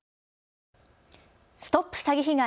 ＳＴＯＰ詐欺被害！